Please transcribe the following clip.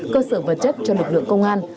cơ sở và chất cho lực lượng công an